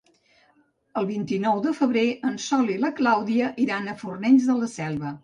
El vint-i-nou de febrer en Sol i na Clàudia iran a Fornells de la Selva.